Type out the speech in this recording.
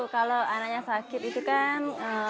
kalau anaknya sakit itu kan